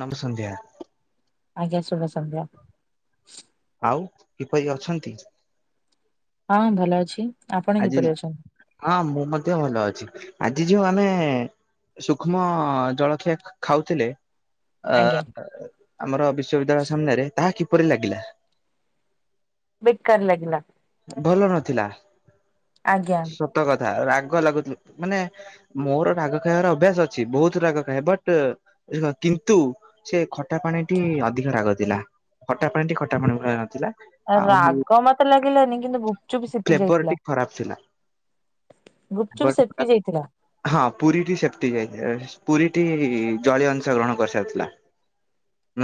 ନମ ସନ୍ଧ୍ୟା। ଆଜ୍ଞା ଶୁଭ ସନ୍ଧ୍ୟା। ଆଉ କିପରି ଅଛନ୍ତି? ହଁ ଭଲ ଅଛି। ଆପଣ ଆଜି କିପରି ଅଛନ୍ତି? ହଁ ମୁଁ ମଧ୍ୟ ଭଲ ଅଛି। ଆଜି ଯୋଉ ଆମେ ସୂକ୍ଷ୍ମ ଜଳଖିଆ ଖାଉଥିଲେ? ଅ ଆଜ୍ଞା ଆମର ବିଶ୍ୱବିଦ୍ୟାଳୟ ସାମ୍ନାରେ ତାହା କିପରି ଲାଗିଲା? ବେକାର ଲାଗିଲା। ଭଲ ନଥିଲା ଆଜ୍ଞା। ସତ କଥା ରାଗ ଲାଗୁ ମାନେ ମୋର ରାଗ ଖାଇବାର ଅଭ୍ୟାସ ଅଛି ବହୁତ ରାଗ ଖାଇଏ ବଟ୍ କିନ୍ତୁ ସେ ଖଟା ପାଣିଟି ଅଧିକ ରାଗ ଥିଲା ଖଟା ପାଣିଟି ଖଟା ପାଣି ଭଳିଆ ନଥିଲା ରାଗ ମତେ ଲାଗିଲାନି କିନ୍ତୁ ଗୁପଚୁପ୍ ସେପି ଫ୍ଲେଭର୍ ଯାଇଥିଲା ଟି ଖରାପ ଥିଲା। ଗୁପଚୁପ୍ ବଟ୍ ସେପି ଯାଇଥିଲା। ହଁ ପୁରୀ ସେପତି ଯାଇ ପୁରୀ ଟି ଜଳୀୟ ଅଂଶ ଗ୍ରହଣ କରିସାରିଥିଲା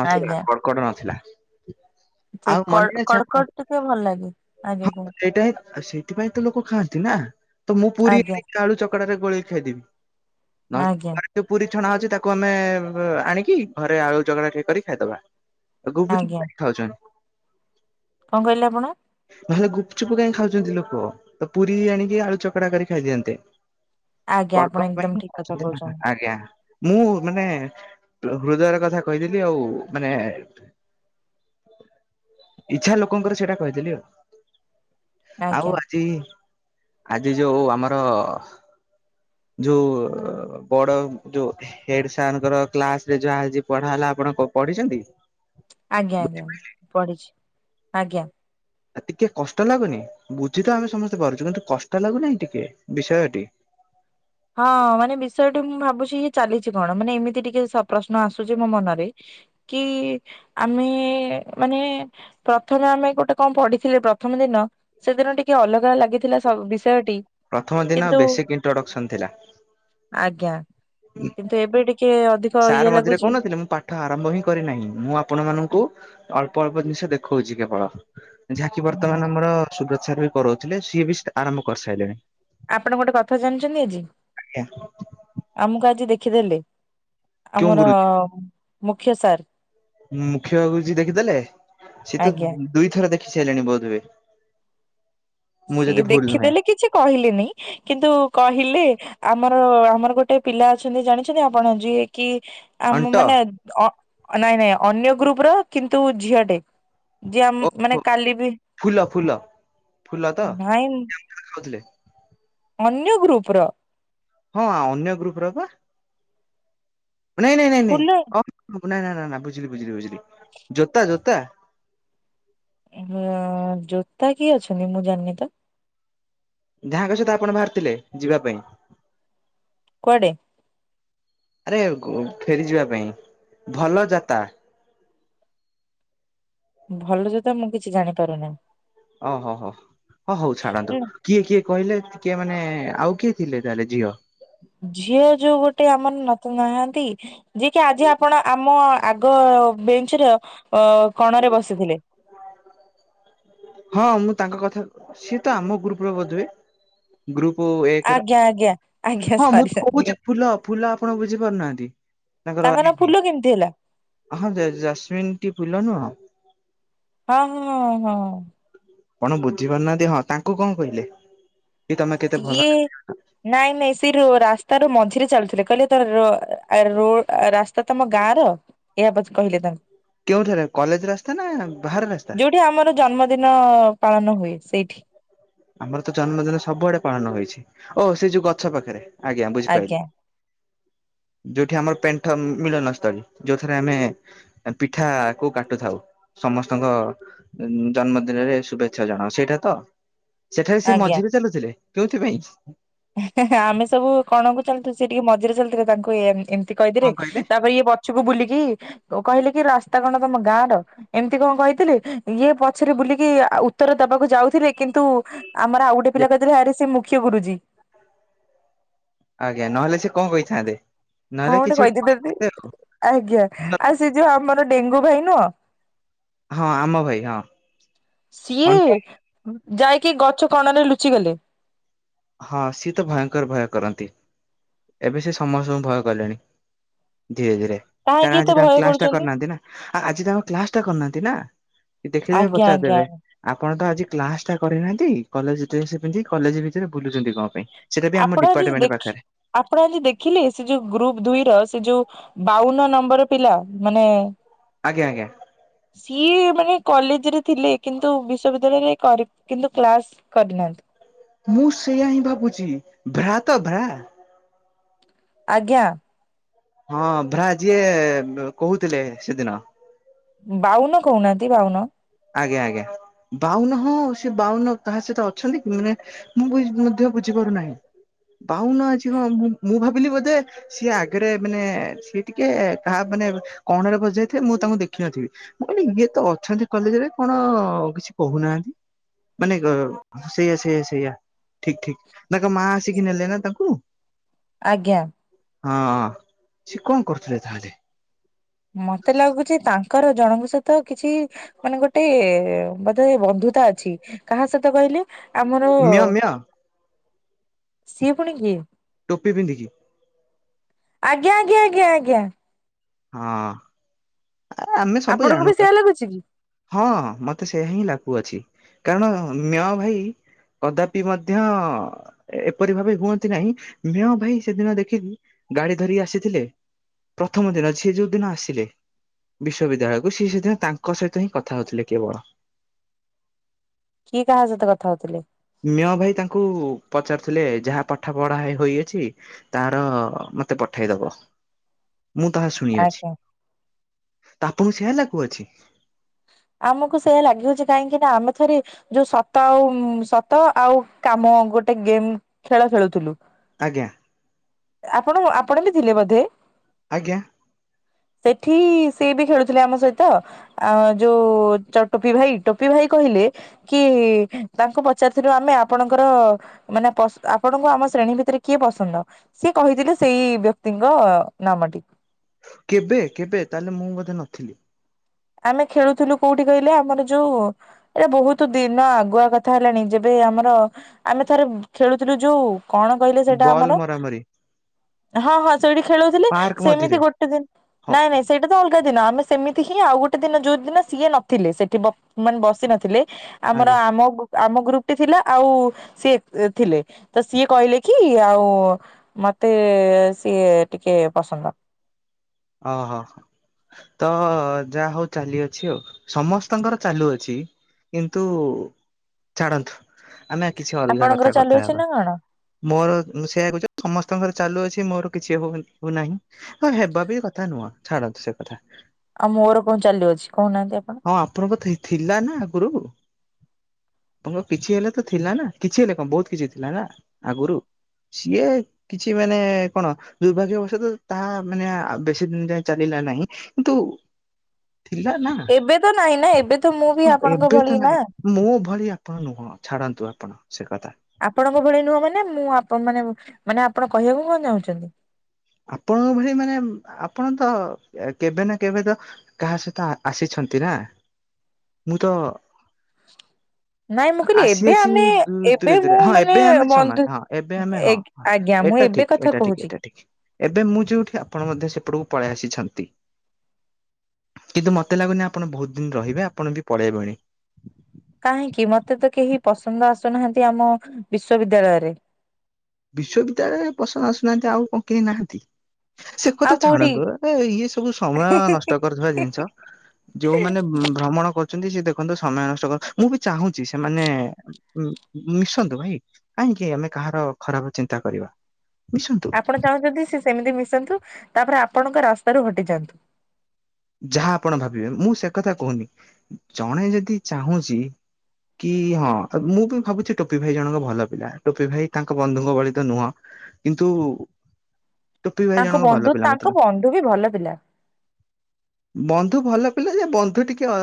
ନଥିଲା ଆଜ୍ଞା କଡ କଡ ନଥିଲା। ସେଇ ଆଉ ମନେ ଅଛି କଡ଼କଡ ଆପଣଙ୍କ ଟିକେ ଭଲ ଲାଗେ ଆଗକୁ। ସେଇଟା ହଁ ସେଥିପାଇଁ ତ ଲୋକ ଖାଆନ୍ତି ନା ତ ମୁଁ ପୁରୀ ଆଜ୍ଞା। ଆଳୁ ଚକଟାରେ ଗୋଳେଇ ଖାଇଦେବି ନେ ଆଜ୍ଞା କୁଆଡୁ ପୁରୀ ବିଛଣା ଅଛି ତାକୁ ଆମେ ଆଣିକି ଘରେ ଆଳୁ ଚକଡ଼ା କରି ଖାଇଦବା। ଆ ଗଗୁପଚୁ ଆଜ୍ଞା କରି ଖାଉଛନ୍ତି। କଣ କହିଲେ ଆପଣ? ନହେଲେ ଗୁପଚୁପ କାହିଁକି ଖାଉଛନ୍ତି ଲୋକ ତ ପୁରୀ ଆଣିକି ଆଳୁ ଚକଟା କରି ଖାଇଦିଅନ୍ତେ। ଆଜ୍ଞା କଡ ଆପଣ କଡ ଏକଦମ ପାଇଁ ଠିକ କଥା ଖାଉଛନ୍ତି କହୁଛନ୍ତି। ଆଜ୍ଞା। ମୁଁ ମାନେ ହୃଦୟର କଥା କହିଥିଲି ଆଉ ମାନେ ଇଚ୍ଛା ଲୋକଙ୍କର ସେଇଟା କହିଦେଲି ଆଉ। ଆଉ ଆଜ୍ଞା ଆଜି ଆଜି ଯୋଉ ଆମର ଯୋଉ ବଡ ଯୋଉ ହେଡ ସାର ଙ୍କର କ୍ଲାସ ରେ ଯାହା ପଢା ହେଲା ଆପଣ ପଢିଛନ୍ତି? ଆଜ୍ଞା ଆଜ୍ଞା ପଢିଛି ଆଜ୍ଞା। ଟିକେ କଷ୍ଟ ଲାଗୁନି। ବୁଝି ତ ଆମେ ସମସ୍ତେ ପାରୁଛୁ। କିନ୍ତୁ କଷ୍ଟ ଲାଗୁନାହିଁ ଟିକେ ବିଷୟଟି? [inaudible] ହଁ ମାନେ ବିଷୟଟି ମୁଁ ଭାବୁଛି କି ଚାଲିଛି କଣ? ମାନେ ଏମିତି ଟିକେ ପ୍ରଶ୍ନ ଆସୁଛି ମୋ ମନରେ କି ଆମେ ମାନେ ପ୍ରଥମେ ଆମେ ଗୋଟେ କଣ ପଢିଥିଲେ ପ୍ରଥମେ ମାନେ ସେଦିନ ଟିକେ ଅଲଗା ଲାଗିଥିଲା ସବୁ ବି ପ୍ରଥମ ଦିନ ବେଶିକ୍ ଇଣ୍ଟ୍ରୋଡକ୍ସନ ଥିଲା। ଆଜ୍ଞା କିନ୍ତୁ ଏବେ ଟି ସାର୍ ମଝିରେ କହୁନଥିଲେ ମୁଁ ପାଠ ଆରମ୍ଭ ହିଁ କରିନାହିଁ। ମୁଁ ଆପଣ ମାନଙ୍କୁ ଅଳ୍ ଅଳ୍ପ ଅଳ୍ପ ଜିନିଷ ଦେଖଉଛି କେବଳ। ଯାହାକି ବର୍ତ୍ତମାନ ଆମର ସୁବ୍ର [unintelligible] ବି କରଉଥିଲେ ସିଏ ବି ଆରମ୍ଭ କରିସାରିଲେଣି। ଆପଣ ଗୋଟେ କଥା ଜାଣିଛନ୍ତି ଆଜି, ଆଜ୍ଞା ଆମକୁ ଆଜି ଦେଖିଦେଲେ। କେଉଁ ଆମର ଗୁରୁଜୀ ମୁଖ୍ୟ ସାର୍। ମୁଖ୍ୟ ଗୁରୁଜୀ ଦେଖିଦେଲେ। ସିଏ ତ ଆଜ୍ଞା ଦୁଇଥର ଦେଖ [unintelligible] ହେଲେଣି ବୋଧ ହୁଏ। ସିଏ ଦେଖିଦେଲେ କିଛି କହିଲେନି କିନ୍ତୁ କହିଲେ ଆମର ଆମର ଗୋଟେ ପିଲା ଅଛନ୍ତି ଜାଣିଛନ୍ତି ଆପଣ ଯିଏ କି ଆମ ଅଣ୍ଟ ମାନେ ନାଇଁ ନାଇଁ ଅନ୍ୟ ଗ୍ରୁପ ର କିନ୍ତୁ ଝିଅ ଟେ ଯିଏ ଆମ ମାନେ ଓହୋ କାଲି ବି ଫୁଲ ଫୁଲ ନା କହୁଥିଲେ। ଅନ୍ୟ ଗ୍ରୁପ ର ହଁ ଅନ୍ୟ ଗ୍ରୁପ ର ପା। ନାଇଁ ନାଇଁ ନାଇଁ ଫୁଲ ଅପ୍ ନାଇଁ ନାଇଁ ନାଇ ନାଇଁ ବୁଝିଲି ବୁଝିଲି ବୁଝିଲି ଜୋତା ଜୋ ଜୋତା। ଜୋତା କି ଅଛନ୍ତି ମୁଁ ଜାଣିନି ତ! ଯାହାଙ୍କ ସହିତ ଆପଣ ବାହାରିଥିଲେ ଯିବା ପାଇଁ। କୁଆଡେ? ଆରେ ଫେରି ଯିବା ପାଇଁ ଭଲ ଯାତା। [inaudible] ଭଲ ଜୋତା ମୁଁ କିଛି ଜାଣିପାରୁନି। ଓହୋ ହୋ ହ ହଉ ଛାଡନ୍ତୁ। କିଏ କିଏ କହିଲେ? ମାନେ ଆଉ କିଏ ଥିଲେ ତାହେଲେ ଝିଅ? ଝିଅ ଯୋଉ ଗୋଟେ ଆମର ନତ ନାହାନ୍ତି ଯିଏ କି ଆଜି ଆପଣ ଆମ ଆଗ ଗ ବେଞ୍ଚର ଅ କଣରେ ବସିଥିଲେ। ହଁ ମୁଁ ତାଙ୍କ କଥା ସିଏ ତ ଆମ ଗ୍ରୁପରେ ବୋଧ ହୁ। ଗ୍ରୁପ୍ ପୁ ଏକ ର ଆଜ୍ଞା ଆଜ୍ଞା ଆଜ୍ଞା ହଁ ମୁଁ ସରି ତ ସରି କହୁଛି ଫୁଲ ଫୁଲ ଆପଣ ବୁଝି ପାରୁନାହାନ୍ତି। ତାଙ୍କର ତାଙ୍କ ନାଁ ଫୁଲ କେମିତି ହେଲା ହଁ ଜାସମିନ ଟି ଫୁଲ ନୁହଁ। ହଁ ହଁ ହଁ। କଣ ବୁଝି ପାରୁନାହାନ୍ତି ହଁ। ତାଙ୍କୁ କଣ କହିଲେ? କି ତମେ କେତେ ଭଲ ଇଏ ନାଇଁ ମିସ୍ ରୁ ରାସ୍ତାରୁ ମଝିରେ ଚାଲୁଥିଲେ। କହିଲେ ତ ରୋ ରୋଡ୍ ରାସ୍ତା ତମ ଗାଁ ର। ଏୟା ପଛ କହିଲେ ତାଙ୍କୁ। କେଉଁଠାରେ କଲେଜ ରାସ୍ତା ନା ବାହାର ରାସ୍ତା? ଦିନ ପାଳନ ହୁଏ ସେଇଠି। ଆମର ତ ଜନ୍ମଦିନ ସବୁଆଡେ ପାଳନ ହେଇଛି ଓ ସେ ଯୋଉ ଗଛ ପାଖରେ। ଆଜ୍ଞା ବୁଝିପାରିଲି। ଯୋଉଠି ଆମର ପେଣ୍ଠ ମିଳନ ସ୍ଥଳୀ। ଯୋଉଠରେ ଆମେ ପିଠା କୁ କାଟୁଥାଉ। ସମସ୍ତଙ୍କ ଜନ୍ମଦିନରେ ଶୁଭେଚ୍ଛା ଜଣାଉ ସେଇଟା ତ! ସେଠାରେ ସେ ଆଜ୍ଞା ମଝିରେ ଚାଲୁଥିଲେ। କେଉଁଥିପାଇଁ? ଆମେ ସବୁ କଣକୁ ଚାଲିଥିଲୁ ସେ ଟିକେ ମଝିରେ ଚାଲିଥିଲେ ତାଙ୍କୁ ଏ ଏମିତି କଣ କହିଦେଲେ କହିଲେ ତାପରେ ଇଏ ପଛକୁ ବୁଲିକି କହିଲେ କି ରା ଗୀତା କଣ ତମ ଗାଁ ର ଏମିତି କଣ କହିଥିଲି ଇଏ ପଛରେ ବୁଲିକି ଉତ୍ତର ଦବାକୁ ଯାଉଥିଲେ। କିନ୍ତୁ ଆମର ଆଉ ଗୋଟେ ପିଲା କହିଥିଲେ ଆରେ ସେ ମୁଖ୍ୟ ଗୁରୁଜୀ। ଆଜ୍ଞା ନହେଲେ ସେ କଣ କହିଥାନ୍ତେ? ନହେଲେ କଣ କିଛି ଗୋଟେ ଗଟେ କହିଦି କହିଥାନ୍ତେ ଆଉ ଦଦି ଆଜ୍ଞା ଆଉ ସେ ଯୋଉ ଆମର ଡେଙ୍ଗୁ ଭାଇନ ହଁ ଆମ ଭାଇ ହଁ [unintelligible] ସିଏ ଅନ୍ ଯାଇକି ଗଛ କଣ ରେ ଲୁଚି ଗେଲେ। ହଁ ସିଏ ତ ଭୟଙ୍କର ଭୟ କରନ୍ତି। ଏବେ ସେ ସମସ୍ତଙ୍କୁ ଭୟ କଲେଣି। ଧୀରେ ଧୀରେ କାରଣ କାହିଁକି ଆଜି ଏତେ ତାଙ୍କ ଭୟ କ୍ଲାସ ଟା କରୁଛନ୍ତି କରିନାହାନ୍ତି ନା ଆଜି ତାଙ୍କ କ୍ଲାସ ଟା କରିନାହାନ୍ତି ନା? ଦେଖିଦେବେ ଆଜ୍ଞା ଆଜ୍ଞା ଆଜ୍ଞା। ପଚାରିଦେବେ ଆପଣ ତ ଆଜି କ୍ଲାସ ଟା କରିନାହାନ୍ତି କଲେଜ ଡେସ୍ ପିନ୍ଧିକି କଲେଜ ସେ ବୁଲୁଛନ୍ତି କଣ ପାଇଁ? ସେଇଟା ବି ଆମ ଆପଣ ଆଜି ଡିପାର୍ଟମେଣ୍ଟ ଦେଖି ପାଖରେ ଆପଣ ଆଜି ଦେଖିଲେ ସେ ଯୋଉ ଗ୍ରୁପ ଦୁଇ ର ସେ ଯୋଉ ବାଉନ ନମ୍ବର ପିଲା ମାନେ ଆଜ୍ଞା ଆଜ୍ଞା। କିଏ ମାନେ କଲେଜ ରେ ଥିଲେ କିନ୍ତୁ ବିଶ୍ବିଦ୍ୟାଳୟରେ କିନ୍ତୁ କ୍ଲାସ କରିନାହାନ୍ତି। ମୁଁ ସେଇଆ ହିଁ ଭାବୁଛି ଭ୍ରା ତ ଭ୍ରା? ଆଜ୍ଞା। ହଁ ଭ୍ରା ଯିଏ କହୁଥିଲେ ସେଦିନ। ବାଉନ କହୁନାହାନ୍ତି ବାଉନ। ଆଜ୍ଞା ଆଜ୍ଞା ବାଉନ ହଁ ସେ ବାଉନ ତାହା ସହିତ ଅଛନ୍ତି କି ମାନେ ମୁଁ ମଧ୍ୟ ବୁଝ ନାହିଁ। ବାଉନ ଅଛି ହଁ ମୁ ମୁଁ ଭାବିଲି ବୋଧେ ସିଏ ଆଗରେ ମାନେ ସେ ଟିକେ ତାହା ମାନେ କଣରେ ବସି ଯାଇଥିବଏ ମୁଁ ତାଙ୍କୁ ଦେଖିନଥିବି ମୁଁ କାନେ ଇଏ ତ ଅଛନ୍ତି କଲେଜରେ କଣ କିଛି କହୁନାହାନ୍ତି ମାନେ କ ସେଇୟା ସେଇୟା ସେଇଆ। ଠିକ ଠିକ ନାଙ୍କ ମା ଆସିକି ନେଲେ ନା ତାଙ୍କୁ। ଆଜ୍ଞା। ହଁ ସେଏ କଣ କରୁଥିଲେ ତାହେଲେ? ମତେ ଲାଗୁଛି ତାଙ୍କର ଜଣଙ୍କ ସହିତ କିଛି ମାନେ ଗୋଟେ ବୋଧେ ବନ୍ଧୁ ଅଛି କାହା ସହିତ କହିଲେ? ଆମର ମ୍ୟ ମ୍ୟ ସିଏ ପୁଣି କିଏ? ଟୋପି ପିନ୍ଧିକି। ଆଜ୍ଞା ଆଜ୍ଞା ଆଜ୍ଞା ଆଜ୍ଞା। ହଁ ଆମେ ସବୁ ଆପଣଙ୍କୁ ଜାଣୁ। ବି ସେୟା ଲାଗୁଛି କି ହଁ ମତେ ସେୟା ହିଁ ଲାଗୁଅଛି କାରଣ ମ ଭାଇ କଦାପି ମଧ୍ୟ ଏପରି ଭାବେ ହୁଅନ୍ତି ନାହିଁ ମେହ ଭାଇ ସେଦିନ ଦେଖିକି ଗାଡି ଧରିକି ଆସିଥିଲେ ପ୍ରଥମ ଦିନ ଯିଏ ଯୋଉ ଦିନ ଆସିଲେ। ବିଶ୍ବିଦ୍ୟାଳୟକୁ ସେ ସେଦିନ ତାଙ୍କ ସହିତ ହିଁ କଥା ହଉଥିଲେ କେବଳ। କିଏ କାହା ସହିତ କଥା ହଉଥିଲେ? ମେଅ ଭାଇ ତାଙ୍କୁ ପଚାରୁଥିଲେ ଯାହା ପାଠ ପଢା ହୋଇଅଛି ତାର ମତେ ପଠେଇଦବ। ମୁଁ ତାହା ଶୁଣିଅଛି ଆଜ୍ଞା ତା ଆପଣଙ୍କୁ ସେୟା ଲା କୁଅଛି? ଆମକୁ ସେ ଲାଗିଛି କାହିଁକି ନା ଆମେ ଥରେ ଯୋଉ ସତ ଆଉ ସତ ଆଉ କାମ ଗୋଟେ ଗେମ୍ ଖେଳ ଖେଳୁଥିଲୁ। ଆଜ୍ଞା। ଆପଣ ଆପଣ ବି ଥିଲେ ବୋଧେ। ଆଜ୍ଞା। ସେଠି ସିଏବି ଖେଳୁଥିଲେ ଆମ ସହିତ। ଆ ଯୋଉ ଟୋପି ଭାଇ ଟୋପି ଭାଇ କହିଲେ କି ତାଙ୍କୁ ପଚାରିଥିଲାରୁ ଆମେ ଆପଣଙ୍କର ମାନେ ଆପଣଙ୍କୁ ଆମ ଶ୍ରେଣୀ ଭିତରେ କିଏ ପସନ୍ଦ ସି କହିଥିଲେ ସେଇ ଵ୍ୟ ତିଙ୍କ ନାମଟିି। କେବେ କେବେ ତାହେଲେ ମୁଁ ବୋଧେ ନଥିଲି ଆମେ ଖେଳୁଥିଲୁ କୋଉଠି କହିଲେ ଆମର ଯୋଉ ଏଇଟା ବହୁତ ଦିନ ଆଗୁଆ କଥା ହେଲାଣି ଯେବେ ଆମର ଆମେ ଥରେ ଖେଳୁଥିଲୁ ଯୋଉ କଣ କହିଲେ ସେଇଟା ବଲ୍ ଆମର ମରାମରି ହଁ ହଁ ସେଇଠି ଖେଳୁଥିଲି ପାର୍କ ସେମିତି ମଝିରେ ଗୋଟେ ଦିନ ହଉ ନାଇଁ ନାଇଁ ସେଇଟା ତ ଅ ଦିନ ଆମେ ସେମିତି ହିଁ ଆଉ ଗୋଟେ ଦିନ ଯୋଉ ଦିନ ସିଏ ନଥିଲେ ସେଠି ବ ମାନେ ବସି ନଥିଲେ। ଆମର ଆଜ୍ଞା। ଆମ ଆମ ଗ୍ରୁପ ଟି ଥିଲା ଆଉ ସିଏ ଥିଲେ ତ ସିଏ କହିଲେ କି ଆଉ ମତେ ସିଏ ଟିକେ ପସନ୍ଦ ଓ ହ। ତ ଯାହା ହଉ ଚାଲି ଅଛି ଆଉ ସମସ୍ତଙ୍କର ଚାଲୁଅଛି କିନ୍ତୁ ଛାଡ଼ନ୍ତୁ ଆମେ କିଛି ଅଲଗା ଆପଣଙ୍କର କଥା କଥା ଚାଲୁଅଛି ହେବା ନା କଣ ମୋର ସେୟା [unintelligible] ସମସ୍ତଙ୍କର ଚାଲୁଅଛି ମୋର କିଛି ହଉନି ହଉ ନାହିଁ ଆଉ ହେବା ବି କଥା ନୁହଁ ଛାଡନ୍ତୁ ସେ କଥା ଆଉ ମୋର କଣ ଚାଲୁଅଛି କହୁନାହାନ୍ତି ଆପଣ ହଁ ଆପଣଙ୍କ ଥିଲା ନା ଆଗରୁ କିଛି ହେଲେ ତ ଥିଲା ନା କିଛି ହେଲେ କଣ ବହୁତ କିଛି ଥିଲା ନା ଆଗରୁ ସିଏ କିଛି ମାନେ କଣ ଦୁର୍ଭାଗ୍ୟ ବଶତଃ ତାଆ ମାନେ ବେଶୀ ଦିନ ଯାଏ ଚାଲିଲା ନାହିଁ କିନ୍ତୁ ଥିଲା ନା ଏବେ ତ ନାଇଁ ନା ଏବେ ତ ମୁଁ ବି ହଁ ଆପଣଙ୍କ ଏବେ ଭଳି ତ ନା ନାଇଁ ମୋ ଭଳି ଆପଣ ନୁହଁ ଛାଡନ୍ ନ୍ତୁ ଆପଣ ସେ କଥା ଆପଣଙ୍କ ଭଳି ନୁହଁ ମାନେ ମୁଁ ଆପ ମାନେ ମାନେ ଆପଣ କହିବାକୁ କଣ ଚାହୁଁଛନ୍ତି? ଆପଣଙ୍କ ଭଳି ମାନେ ଆପଣ ତ କେବେ ନା କେବେ ତ କାହା ସହିତ ଆସିଛ ଛନ୍ତି ନା ମୁଁ ତ ନାଇଁ ମୁଁ କହିଲି ଏବେ ଆସିଅଛି ଆମେ ଏବେ ଦୂରେ ଦୂରେ ମୁଁ ହଁ ମାନେ ଏବେ ଆମେ ସମାନ ବନ୍ଧୁ ହଁ ଏବେ ଆମେ ଏ ହଁ ହଁ ଆଜ୍ଞା ମୁଁ ଏଟା ଏବେ ଠିକ କଥା ଏଟା ଠିକ କହୁଛି। ଏଟା ଠିକ। ଏବେ ମୁଁ ଯୋଉଠି ଆପଣ ମଧ୍ୟ ସେପଟକୁ ପଳେଇ ଆସିଛନ୍ତି। କିନ୍ତୁ ମତେ ଲାଗୁନି ଆପଣ ବହୁତ ଦିନ ରହିବେ ଆପଣ ବି ପଳେଇବଣି କାହିଁକି ମତେ ତ କେହି ପସନ୍ଦ ଆସୁନାହାନ୍ତି ଆମ ବିଶ୍ବବିଦ୍ୟାଳୟରେ। ବିଶ୍ୱବିଦ୍ୟାଳୟରେ ପସନ୍ଦ ଆସୁନାହାନ୍ତି ଆଉ କଣ କେହି ନାହାନ୍ତି। ସେ ଆଉ କଥା କୋଉଠି ଛାଡ଼ନ୍ତୁ ଏ ଇଏ ସବୁ ସମୟ ହିଁ ହିଁ ନଷ୍ଟ କରିଥୁବା ହିଁ ଜିନିଷ ହିଁ ଯୋଉମାନେ ଭ୍ରମଣ କର ଚନ୍ତି ସେ ଦେଖନ୍ତୁ ସମୟ ନଷ୍ଟ କର ମୁଁ ବି ଚାହୁଁଛି ସେମାନେ ମିଶନ୍ତୁ ଭାଇ କାଇଁ ନା କି ଆମେ କାହାର ଖରାପ ଚିନ୍ତା କରିବା। ମିଶନ୍ତୁ ଆପଣ ଚାହୁଁଛନ୍ତି ସେ ସେମିତି ମିଶନ୍ତୁ ତାପରେ ଆପଣଙ୍କ ରାସ୍ତାରୁ ହଟିଯାଆନ୍ତୁ। ଯାହା ଆପଣ ଭାବିବେ ମୁଁ ସେ କଥା କହୁନି ଜଣେ ଯଦି ଚାହୁଁଛି କି ହଁ ମୁଁ ବି ଭାବୁଛି ଟୋପି ଭାଇ ଜଣକ ଭଲ ପିଲା ଟୋପି ଭାଇ ତାଙ୍କ ବନ୍ଧୁଙ୍କ ଭଳି ତ ନୁହଁ କିନ୍ତୁ ଟୋପି ଭାଇ ତାଙ୍କ ଜଣଙ୍କ ବନ୍ଧୁ ଭଲ ପିଲା ତାଙ୍କ ମତେ ଲା ବନ୍ଧୁ ବି ଭଲ ପିଲା। ହ ବନ୍ଧୁ ଭଲ ପିଲା ଯେ ବନ୍ଧୁ ଟିକେ ଅ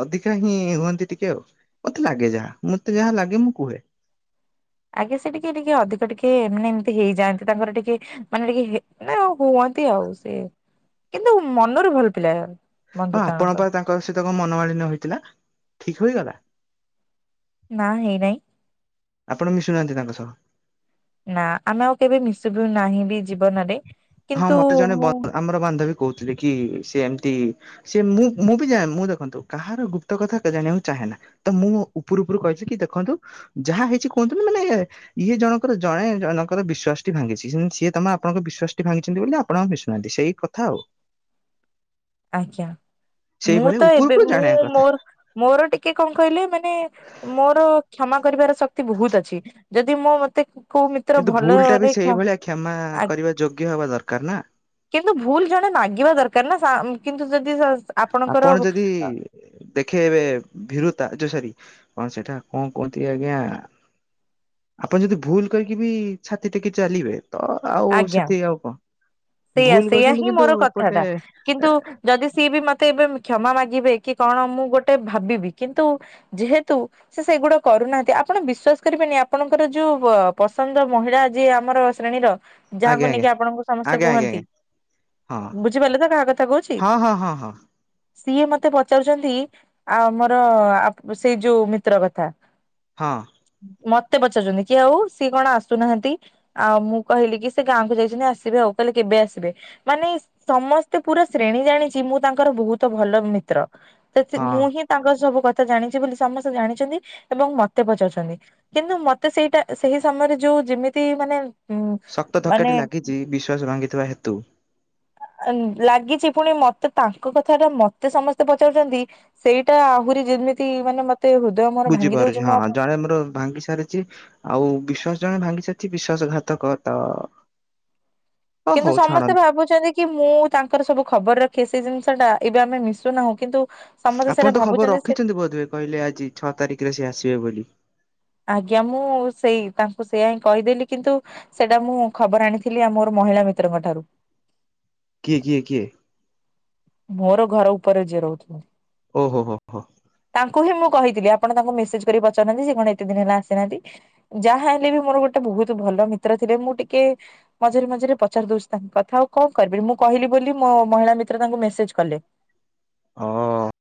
ଅଧିକା ହିଁ ହୁଅନ୍ତି ଟିକେ ଆଉ ମତେ ଲାଗେ ଯାହା ମତେ ଯାହା ଲାଗେ ମୁଁ କୁହେ। ଆଜ୍ଞା ସେ ଟିକେ ଟିକେ ଅଧିକ ଟିକେ ମେ ଏମିତି ହେଇଯାଆନ୍ତି ତାଙ୍କର ଟିକେ ମାନେ ଟିକେ ଆଉ ହୁଅନ୍ତି ଆଉ ସେ କିନ୍ତୁ ମନରୁ ଭଲ ପିଲା। ହଁ ଆପଣଙ୍କ ପା ତାଙ୍କ ସହିତ କଣ ମନମାଳିନ ହେଇଥିଲା ଠିକ ହୋଇଗଲା। ନା ହେଇ ନାହିଁ। ଆପଣ ମିଶୁନାହାନ୍ତି ତାଙ୍କ ସହ। ନାଁ ଆମେ ଆଉ କେବେ ମିଶିବୁ ନାହିଁ ବି ଜୀବନରେ ହଁ କିନ୍ତୁ ମତେ ଜଣେ ମୁଁ ବଦ ଆମର ବାନ୍ଧବୀ କହୁଥିଲେ କି ସେ ଏମତି ସେ ମୁଁ ମୁଁ ବି ଜାନ୍ ମୁଁ ଦେଖନ୍ତୁ କାହାର ଗୁପ୍ତ କଥା ଜାଣିବାକୁ ଚାହେଁନା ତ ମୁଁ ଉପରୁ ଉପରୁ କହିଚି ଦେଖନ୍ତୁ ଯାହା ହେଇଛି କୁହନ୍ତୁନି ମାନେ ଇଏ ଜଣଙ୍କର ଜଣେ ଜଣଙ୍କର ବିଶ୍ୱାସ ଟି ଭାଙ୍ଗିଛି ସିଏ ତମ ଆପଣଙ୍କ ବିଶ୍ୱାସ ଟି ଭାଙ୍ଗିଛନ୍ତି ବୋଲି ଆପଣ ଆଉ ମିଶୁନାହାନ୍ତି ସେଇ କଥା ଆଉ ଆଜ୍ଞା। [inaudible] ମୁଁ ତ ଉପର ଏବେ ଉପରୁ ମୁଁ ଜାଣିବା କଥା। ମୋର ମୋର ଟିକେ କଣ କହିଲେ ମାନେ ମୋର କ୍ଷମା କରିବାର ଶକ୍ତି ବହୁତ ଅଛି ଯଦି ମୁଁ ମତେ କୋଉ ମିତ୍ର କିନ୍ତୁ ଭୁଲ ଟା ବି ଭଲରେ କ୍ଷ ସେଇଭଳିଆ କ୍ଷମା ଆ କରିବା ଯୋଗ୍ୟ ହବା ଦରକାର ନା? କିନ୍ତୁ ଭୁଲ ଜଣେ ମାଗିବା ଦରକାର ନା କିନ୍ତୁ ଯଦି ଆପଣଙ୍କର ଆପଣ ଯଦି ଦେଖେଇବେ ଭୀରୁତା ଆଚ୍ଛା ଯୋ ସୋରୀ କଣ ସେଟା କଣ କୁହନ୍ତି ଆଜ୍ଞା ଆପଣ ଯଦି ଭୁଲ କରିକି ବି ଛାତି ଟେକି ଚାଲିବେ ତ ଆଉ ସେଠି ଆଉ କଣ ସେଇୟା ଭୁଲ -ସେଇୟା କରୁଛନ୍ତି ହିଁ କିନ୍ତୁ ମୋର ଏପଟେ କଥାଟା ଏ, କିନ୍ତୁ ଯଦି ସିଏ ବି ମତେ ତେ ଏବେ କ୍ଷମା ମାଗିବେ କି କଣ ମୁଁ ଗୋଟେ ଭାବିବି କିନ୍ତୁ ଯେହେତୁ ସେ ସେଗୁଡ଼ା କରୁନାହାନ୍ତି ଆପଣ ବିଶ୍ଵାସ କରିବେନି ଆପଣଙ୍କର ଯୋଉ ପସନ୍ଦ ମହିଳା ଯିଏ ଆମର ଶ୍ରେଣୀର ଆଜ୍ଞା ଯାହାକୁ ନେଇକି ଆପଣଙ୍କୁ ସମସ୍ତେ ଆଜ୍ଞା ଆଜ୍ଞା ଆଜ୍ଞା କୁହନ୍ତି ଆଜ୍ଞା ବୁଝିପାରିଲେ ତ କାହା କଥା କହୁଛି? ହଁ ହଁ ହଁ ହଁ ହଁ ସିଏ ମତେ ପଚାରୁଛନ୍ତି ଆ- ଆମର ସେଇ ଯୋଉ ମିତ୍ର କଥା ହଁ। ମତେ ପଚାରୁଛନ୍ତି କି ଆଉ ସିଏ କଣ ଆସୁନାହାନ୍ତି ଆଉ ମୁଁ କହିଲି କି ସେ ଗାଁକୁ ଯାଇଛନ୍ତି ଆସିବେ ଆଉ କହିଲେ କେବେ ଆସିବେ ମାନେ ସମସ୍ତେ ପୁରା ଶ୍ରେଣୀ ଜାଣିଛି ମୁଁ ତାଙ୍କର ବହୁତ ଭଲ ମିତ୍ର। ସେ ହଁ ମୁଁ ହିଁ ତାଙ୍କ ସବୁ କଥା ଜାଣିଛି ବୋଲି ସମସ୍ତେ ଜାଣିଛନ୍ତି ଏବଂ ମତେ ପଚାରୁଛନ୍ତି କିନ୍ତୁ ମତେ ସେଇଟା ସେହି ସମୟରେ ଯୋଉ ଯେମିତି ମାନେ ଉ ଶକ୍ତ ମାନେ ଧକାଟି ଲାଗିଛି ବିଶ୍ୱାସ ଭାଙ୍ଗିଥିବା ହେତୁ ଲାଗିଛି ପୁଣି ମତେ ତାଙ୍କ କଥା ଟା ମତେ ସମସ୍ତେ ପଚାରୁଛନ୍ତି ସେଇଟା ଆହୁରି ଯଦି ଏମିତି ମାନେ ହୃଦୟ ମୋର ଭାଙ୍ଗି ଦଉଛି ବୁଝିପାରୁଛି ମୁଁ ହଁ ଆଉ ଜଣେ ମୋର ଭାଙ୍ଗି ସାରିଛି ଆଉ ବିଶ୍ୱାସ ଜଣେ ଭାଙ୍ଗିସାରିଛି ବିଶ୍ଵାସ ଘାତକତ କିନ୍ତୁ ସମସ୍ତେ ଭାବୁଛନ୍ତି କି ମୁଁ ତାଙ୍କର ସବୁ ଖବର ରଖି ସେ ଜିନିଷ ଟା ଏବେ ଆମେ ମିଶୁନାହୁଁ କିନ୍ତୁ ସମସ୍ତେ ଆପଣ ସେଇଟା ତ ଖବର ଭାବୁଛନ୍ତି ସେ ରଖିଛନ୍ତି ବୋଧହୁଏ କହିଲେ ଆଜି ଛଅ ତାରିଖରେ ସେ ଆସିବେ ବୋଲି। ଆଜ୍ଞା ମୁଁ ସେଇ ତାଙ୍କୁ ସେୟା ହଁ କହିଦେଲି କିନ୍ତୁ ସେଇଟା ମୁଁ ଖବର ଆଣିଥିଲି ଆମ ମହିଳା ମିତ୍ରଙ୍କ ଠାରୁ। କିଏ କିଏ କିଏ? ମୋର ଘର ଉପରେ ଯିଏ ରହୁଛି ଓ ହୋ ହୋ ହୋ। ମୁଁ କହିଥିଲି ଆପଣ ତାଙ୍କୁ ମେସେଜ କରି ପଚାରୁନାହାନ୍ତି ସେ କଣ ଏତେ ଦିନ ହେଲା ଆସିନାହାନ୍ତି ଯାହା ହେଲେ ବି ମୋର ଗୋଟେ ବହୁତ ଭଲ ଭଲ ମିତ୍ର ଥିଲେ ମୁଁ ଟିକେ ମଝିରେ ମଝିରେ ପଚାରି ଦଉଛି ତାଙ୍କ କଥା ଆଉ କଣ କରିବି ମୁଁ କହିଲି ବୋଲି ମହିଳା ମିତ୍ର ତାଙ୍କୁ ମେସେଜ କଲେ। ହଁ।